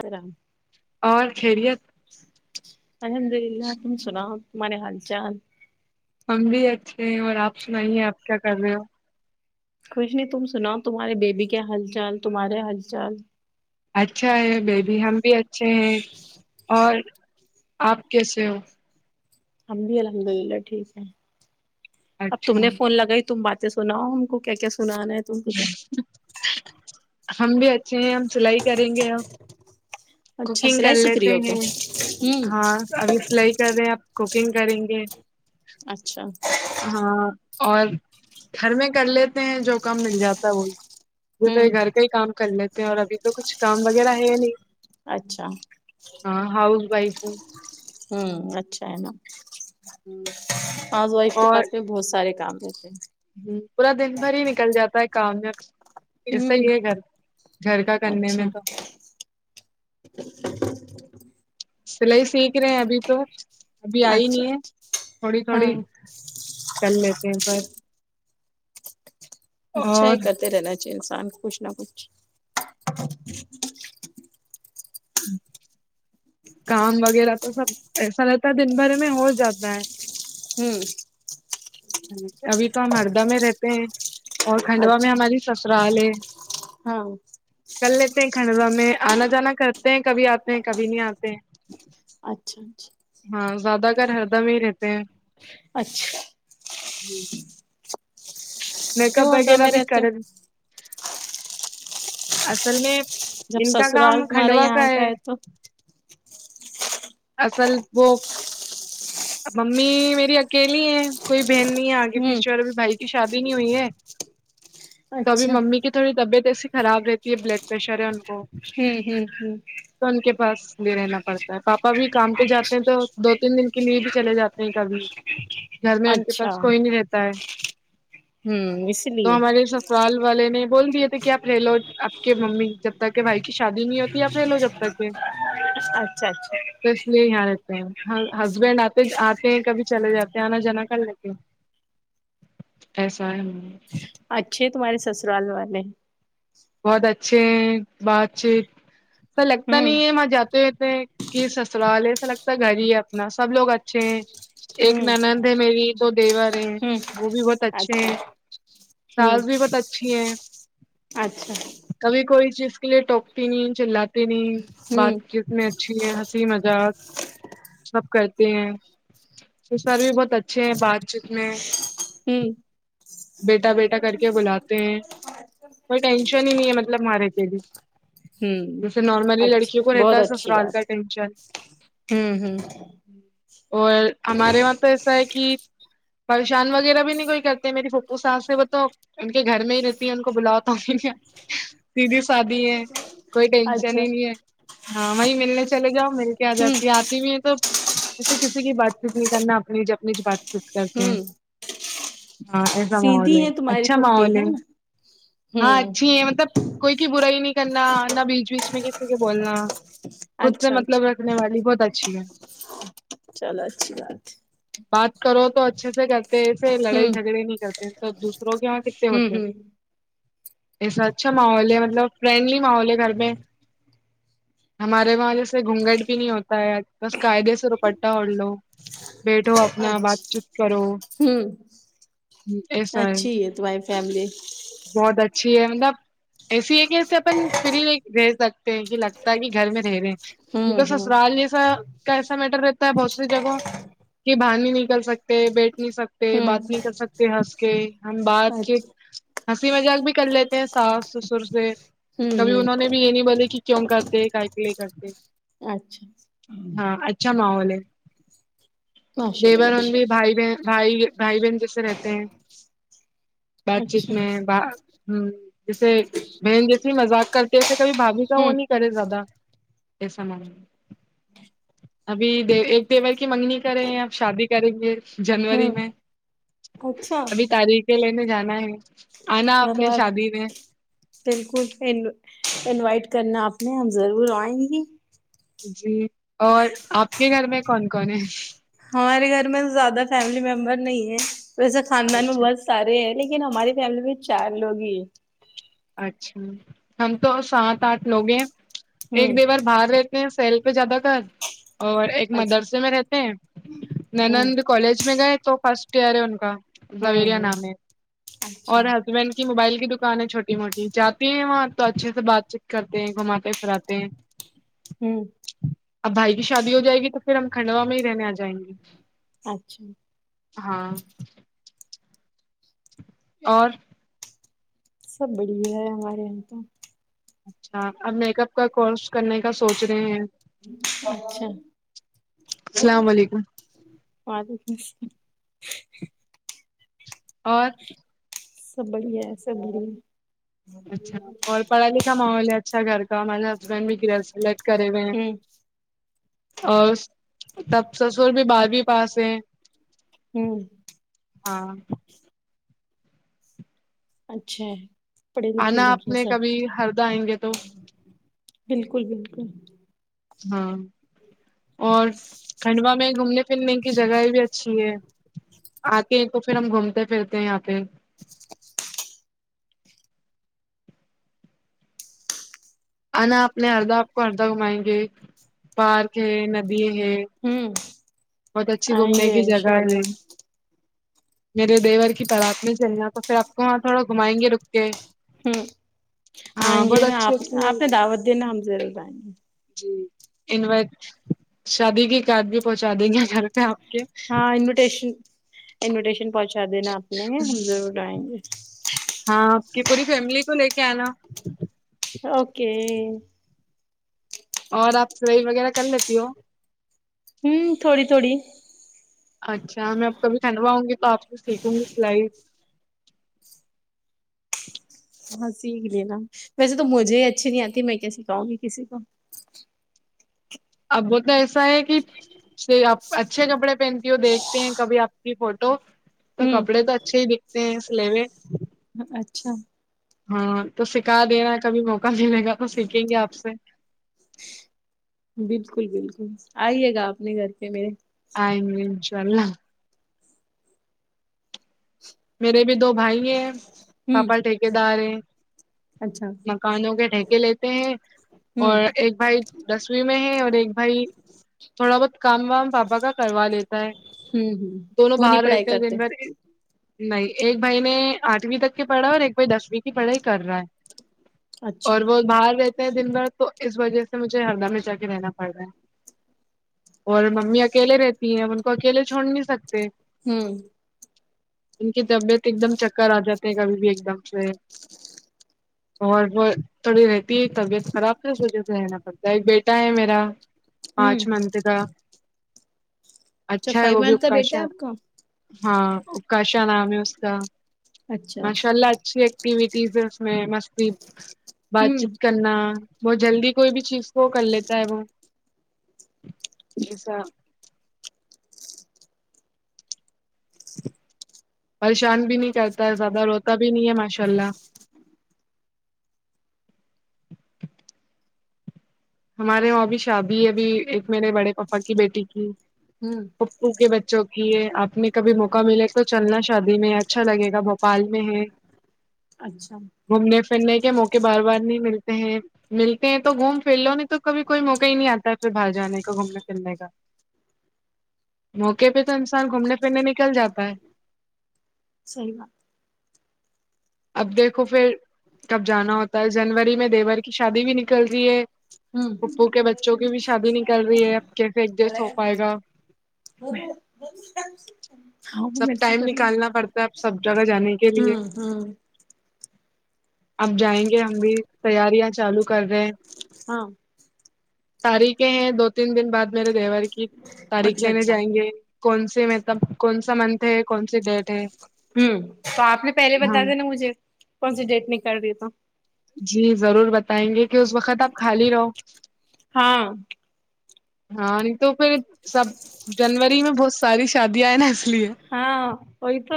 السلام اور خیریت الحمد للہ تم سناؤ تمہارے حال چال ہم بھی اچھے ہیں اور آپ سنائیے آپ کیا کر رہے ہو کچھ نہیں تم سناؤ تمہارے بیبی کے حال چال تمہارے حال چال اچھا ہے بیبی ہم بھی اچھے ہیں اور آپ کیسے ہو ہم بھی الحمد للہ ٹھیک ہے اب تم اچھا نے فون لگائی تم بات سناؤ ہم کو کیا کیا سنانا ہے تم کو تو ہم بھی اچھے ہیں ہم سلائی کریں گے اب اچھا کوکنگ کر سلائی سیکھ لیتے رہی ہو کیا ہیں ہوں ہاں ابھی سلائی کر رہے ہیں آب کوکنگ کریں گے اچھا ہاں اور گھر میں کر لیتے ہیں جو کام مل جاتا ہے وہ وہ تو ہوں یہ گھر کا ہی کام کر لیتے ہیں اور ابھی تو کچھ کام وغیرہ ہے نہیں اچھا ہاں ہاؤز وائف ہوں ہوں اچھا ہے نا ہاؤس وائف کے پاس میں بہت سارے کام رہتے ہیں ہمم پورا دن بھر ہی نکل جاتا ہے کام میں ایسا ہوں ہی ہے گھر گھر کا کرنے اچھا میں تو سلائی سیکھ رہے ہیں ابھی تو ابھی آئی اچھا نہیں ہے تھوڑی ہاں تھوڑی کر لیتے ہیں پر اچھا اور ہے کرتے رہنا چاہیے انسان کچھ نہ کچھ کام وغیرہ تو سب ایسا رہتا دن بھر میں ہو جاتا ہے ہوں ابھی تو ہم ہردہ میں رہتے ہیں اور کھنڈوا میں اچھا ہماری سسرال ہے ہاں کر لیتے ہیں کھنڈوا میں آنا جانا کرتے ہیں کبھی آتے ہیں کبھی نہیں آتے ہیں اچھا اچھا ہاں زیادہ گر ہردہ میں ہی رہتے ہیں اچھ ہمم میک اپ کیوں ہردہ وغیرہ میں بھی رہتے کر ہو اصل میں جب ان کا کام سسرال تمہارا کھنڈوا کا یہاں ہے تو اصل وہ ممی میری اکیلی ہے کوئی بہن نہیں ہے آگے ہوں پچھے اور ابھی بھائی کی شادی نہیں ہوئی ہے تو ابھی اچھا ممی کی تھوڑی طبیعت ایسی خراب رہتی ہے بلڈ پریشر ہے ان کو ہوں ہوں ہوں تو ان کے پاس بھی رہنا پڑتا ہے پاپا بھی کام پہ جاتے ہیں تو دو تین دن کے لیے بھی چلے جاتے ہیں کبھی گھر میں ان کے اچھا پاس کوئی نہیں رہتا ہے ہوں اس تو لیے ہمارے سسرال والے نے بول دیے تھے کہ آپ رہ لو آپ کے ممی جب تک کہ بھائی کی شادی نہیں ہوتی اپ رہ لو جب تک کہ اچھا اچھا تو اس لیے یہاں رہتے ہیں ہسبینڈ آتے آتے ہیں کبھی چلے جاتے ہیں آنا جانا کرلیتی ہوں ایسا ہے اچھے ہے تمہارے سسرال والے بہت اچھے ہیں بات چیت ایسا لگتا ہوں نہیں ہے وہاں جاتے ہیں کہ سسرال ایسا لگتا ہے گھر ہی ہے اپنا سب لوگ اچھے ہیں ایک ہوں ننند ہے میری دو دیور ہیں ہوں وہ بھی بہت اچھے ہیں اچھا ہوں ساس بھی بہت اچھی ہے اچھا کبھی کوئی چیز کے لیے ٹوکتی نہیں چلاتی نہیں بات ہوں بھی اچھی ہے ہنسی مذاق سب کرتے ہیں سسر بھی بہت اچھے ہیں بات چیت میں ہوں بیٹا بیٹا کر کے بلاتے ہیں کوئی ٹینشن ہی نہیں ہے مطلب ہمارے سے بھی ہوں جیسے نارملی لڑکیوں کو اچھا رہتا بہت ہے اچھی سسرال کا بات ٹینشن ہے ہوں ہوں اور ہمارے وہاں تو ایسا ہے کہ پریشان وغیرہ بھی نہیں کوئی کرتے میرے کو وہ ساس ہے وہ تو ان کے گھر میں ہی رہتی ہیں ان کو بلاو تو بھی ہہیں اتی سیدھی سادھی ہے کوئی ٹینشن اچھا ہی نہیں ہے ہاں وہیں ملنے چلے جاؤ مل کے آ ہوں جاتی ہے اس لیےتو کسی کسی کی بات چیت نہیں کرنا اپنی ج اپنی بات چیت کرکے ہوں ہاں ایسا ماحول سیدھی ہے تمہاری اچھا پھوپھی ماحول ہے نا ہاں ہوں اچھی ہے مطلب کوئی کی برائی نہیں کرنا نہ بیچ بیچ میں کسی کے بولنا خود سے اچھا مطلب اچھا رکھنے والی بہت اچھی ہے چلو اچھی بات ہے بات کرو تو اچھے سے کرتے ہیں اسے ہے لڑائی ہوں جھگڑے نہیں کرتے تو دوسروں کہ یہاں کتتے ہوں ہوتے ہوں اچھا ماحول ہے مطلب فرینڈلی ماحول ہے گھر میں ہمارے وہاں جیسے گھونگھٹ بھی نہیں ہوتا ہے بس قاعدے سے دوپٹا اوڑھ لو بیٹھو اپنا بات اچھا چیت کرو ہوں ہوں ایسا ہے اچھی تمہاری فیملی بہت اچھی ہے مطلب ایسی ہے کہے اپن فری رہ سکتے ہیں کہ لگتا ہے کہ گھر میں رہ رہے ہیں ہوں انکا ہوں سسرال کیسا میٹر کرتے بہت سی جگہوں کہ باہر نہیں نکل سکتے بیٹھ نہیں سکتے پہ ہوں بات نہیں کر سکتے ہسکے ہم بات کے اچھا ہنسی مذاق بھی کر لیتے ہیں ساس سسر سے ہوں کبھی ہوں انہوں نے بھی یہ نہیں بولے کہ کیو کرتے کئی کیلئے کرتے اچھا ہاں اچھا ماحول ہے ماشاء اللہ دیوار ماشاء ہوندے بھائی بہ بھائی بھائی بہن جیسے رہتے ہیں اللہ بات چیت اچھا میں ھممم جیسے بہن جیسے مذاق کرتے ایسے کبھی وہ کہ ہوں نہیں کرے زیادہ ایسا ماحول ابھی ایک دیور کی منگنی کرے ہیں شادی کریں گے جنوری ہوں میں اچھا ابھی تاریخ کے لینا جانا ہے آنا آپ نے شادی میں [unintelligible] بالکل ان انوائٹ کرنا آپ نے ہم ضرور آئیں گی جی اور آپ کے گھر میں کون کون ہے ہمارے گھر میں زیادہ فیملی ممبر نہیں ہے تو ایسے خاندان میں اچھا بس سارے ہیں لیکن ہماری فیملی میں چار لوگ ہی ہیں اچھا ہم تو سات آٹھ لوگ ہیں ایک ہوں دیوار باہر پھر سیل پہ زیادہ کر اور ایک اچھا مدرسے میں رہتے ہیں ہوں نند کالج میں گئے تو فرسٹ کیئر ہیں ان کا جوریہ ہوں ہوں نام ہے اچھا اور ہسبنڈ کی موبائل کی دکان ہے چھوٹی چھوٹی موٹی جاتے ہیں وہاں تو اچھے سے بات چیت کرتے ہیں گھماتے پھراتے ہیں ھممم اب بھائی کی شادی ہو جائے گی تو پھر ہم کھنڈوا میں ہی رہنے آ جائیں گے اچھا ہاں اور سب بڑھیا ہے ہمارے یہاں تو اچھا اب میک اپ کا کورس کرنے کا سوچ رہے ہیں اچھا السلام علیکم وعلیکم [unintelligible] اور سب بڑھیا ہے سب بڑھیا اچھا اور پڑھا لکھا ماحول ہے اچھا گھر کا ہمارے ہسبنڈ بھی گریجویٹ کرے ہوئے ہیں ہوں اور تب سسر بھی بارہویں پاس ہیں ہوں ہاں اچھا پڑھے لکھے آنا لوگ آپ ہیں نے سب کبھی ہردا آئیں گے تو بالکل بالکل ہاں اور کھنڈوا میں گھومنے پھرنے کی جگہ بھی اچھی ہیں اتے ہے تو پھر ہم گھومتے پھرتے ہیں یہاں پہ آنا اپنے ہردہ آپ کو ہردہ گھمائیں گے پارک ہے ندی ہے ہوں بہت اچھی آئیں گھومنے گے کی جگہ انشاء ہے اللہ میرے دیور کی برات میں چلنا تو پھر آپ کو وہاں تھوڑا گھمائیں گے رک کے ھممم ہاں آئیں گے بہت نہ اچھی آپ اچھی آپ نے دعوت دینا ہم ضرور آینگے جی انوائٹ شادی کے کارڈ بھی پہنچا دیں گے گھر پہ آپ کے ہاں انویٹیشن انویٹیشن پہنچا دینا اپنے ہم ضرور آئیں گے ہاں آپ کی پوری فیملی کو لے کے آنا اوکے اور آپ سلائی وغیرہ کر لیتی ہو ھممم تھوڑی تھوڑی اچھا میں اب کبھی کھنڈا آؤں گی تو آپ سے سیکھوں گی سلائی ہاں سیکھ لینا ویسے تو مجھے ہی اچھی نہیں آتی میں کیا سکھاؤں گی کسی کو اب وہ تو ایسا ہے کہ آپ اچھے کپڑے پہنتی ہو دیکھتے ہیں کبھی آپ کی فوٹو تو ہوں کپڑے تو اچھے ہی دکھتے ہیں سلیوے اچھا ہاں تو سکھا دینا ہے کبھی موقع دینے کا تو سیکھیں گے آپ سے بالکل بالکل آئیے گا اپنے گھر کے میرے آئینگے انشاء اللہ میرے بھی دو بھائی ہیں ہوں پاپا ٹھیکیدار ہیں اچھا مکانوں کے ٹھیکے لیتے ہیں ہوں اور ایک بھائی دسویں میں ہے اور ایک بھائی تھوڑا بہت کام وام پاپا کا کروا لیتا ہے ہوں ہوں دونوں وہ نہیں باہر پڑھائی رہتے ہیں کرتے دن بھر نہیں ایک بھائی نے آٹھویں تک کی پڑھا ہے اور ایک بھائی دسویں کی پڑھائی کر رہا ہے اچھا اور وہ باہر رہتے ہیں دن بھر تو اس وجہ سے مجھے ہردہ میں جا کے رہنا پڑ رہا ہے اور ممی اکیلے رہتی ہیں ان کو اکیلے چھوڑ نہیں سکتے ہوں ان کی طبیعت ایک دم چکر آ جاتے ہیں کبھی بھی ایک دم سے اور وہ تھوڑی رہتی ہے طبیعت خراب تھا اس وجہ سے رہنا پڑتا ہے ایک بیٹا ہے میرا ہوں پانچ منتھ کا اچھا ہے فائیو وہ بھی منتھ کا بیٹا ہے اپکشا آپ کا ہاں اپکشا نام ہے اس کا اچھا ماشاء اللہ اچھی ایک ٹیوٹیز اس میں مستی بات ہوں چیت کرنا بہت جلدی کوئی بھی چیز کو کر لیتا ہے وہ ایسا پریشان بھی نہیں کرتا ہے زیادہ روتا بھی نہیں ہے ماشاء اللہ ہمارے وہاں بھی شادی ہے ابھی ایک میرے بڑے پاپا کی بیٹی کی ہوں پھوپھو کے بچوں کی ہے آپ نے کبھی موقع ملے تو چلنا شادی میں اچھا لگے گا بھوپال میں ہے اچھا گھومنے پھرنے کے موقع بار بار نہیں ملتے ہیں ملتے ہیں تو گھوم پھیلو نہیں تو کبھی کوئی موقع ہی نہیں آتا ہے پھر باہر جانے کا گھومنے پھرنے کا موقع پہ تو انسان گھومنے پھرنے نکل جاتا ہے صحیح بات اب دیکھو پھر کب جانا ہوتا ہے جنوری میں دیور کی شادی بھی نکل رہی ہے ہوں پھوپھو کے بچوں کی بھی شادی نکل رہی ہے اب کیسے ایڈجسٹ ہو پائے گا [unintelligible] ہاں وہ سب میرے سے ٹائم پہلے نکالنا پڑتا ہے اب سب جگہ جانے کے لیے ہاں ہاں اب جائیں گے ہم بھی تیاریاں چالو کر رہے ہیں ہاں تاریخیں ہیں دو تین دن بعد میرے دیور کی تاریخ اچھا لینے اچھا جائیں گے کون سی مطلب کون سا منتھ ہے کون سی ڈیٹ ہے ہوں تو آپ نے پہلے ہاں بتا دینا مجھے کون سی ڈیٹ نکل کر رہی ہے تو جی ضرور بتائیں گے کہ اس وقت آپ خالی رہو ہاں ہاں نہیں تو پھر سب جنوری میں بہت ساری شادیاں آئے نا لیے ہاں وہی تو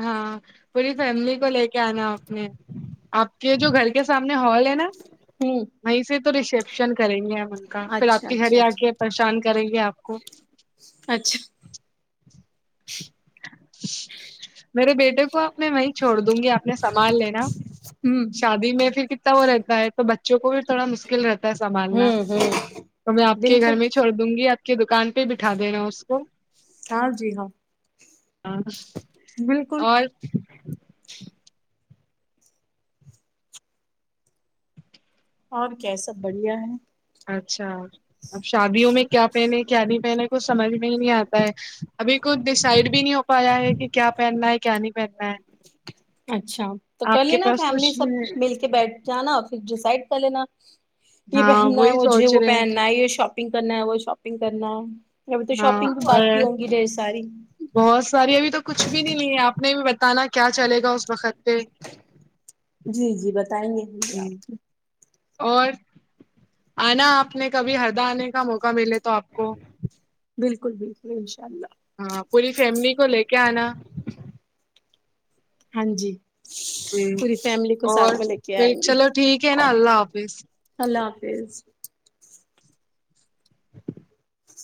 ہاں پوری فیملی کو لے کے آنا اپنے آپ کے جو گھر کے سامنے ہال ہے نا ہوں وہیں سے تو ریسپشن کریں گے ہم ان کا پھر آپ اچھا کی گھر اچھا آ اچھا کے پریشان کریں گے آپ کو اچھا میرے بیٹے کو آپ نے وہی چھوڑ دوں گی آپ نے سمبھال لینا ہوں شادی میں پھر ک تا وہ رہتا ہے تو بچوں کو بھی تھوڑا مشکل رہتا ہے سنبھالنا ہوں ہوں تو میں آپ کے گھر بالکل میں چھوڑ دوں گی آپ کی دکان پہ بٹھا دینا اس کو ہاں جی ہاں ہاں بالکل اور اور کیا سب بڑھیا ہے اچھا اب شادیوں میں کیا پہنے کیا نہیں پہنے کچھ سمجھ میں ہی نہیں آتا ہے ابھی کچھ ڈیسائڈ بھی نہیں ہو پایا ہے کہ کیا پہننا ہے کیا نہیں پہننا ہے اچھا تو آپ کر کے لینا پاس فیملی کچھ سب مل کے بیٹھ جانا پھر ڈسائڈ کر لینا یہ ہاں پہننا ہے وہی مجھے سوچ وہ رہے ہیں پہننا ہے یہ شاپنگ کرنا ہے وہ شاپنگ کرنا ہے ابھی تو ہاں شاپنگ بھی اور باقی ہوں گی ڈھیر ساری بہت ساری ابھی تو کچھ بھی نہیں نہیں آپ نے بھی بتانا کیا چلے گا اس وقت پہ جی جی بتائیں گے مجھے جی آپ اور آنا آپ نے کبھی ہردا آنے کا موقع ملے تو آپ کو بالکل بالکل انشاء اللہ ہاں پوری فیملی کو لے کے آنا ہاں جی جی پوری فیملی کو ساتھ اور میں لے کے پھر آئیں گے چلو ٹھیک ہے نا اللہ حافظ اللہ حافظ